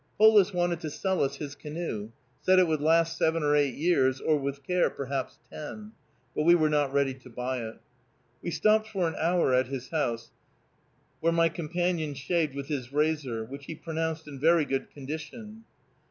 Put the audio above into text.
Polis wanted to sell us his canoe, said it would last seven or eight years, or with care, perhaps ten; but we were not ready to buy it. We stopped for an hour at his house, where my companion shaved with his razor, which he pronounced in very good condition.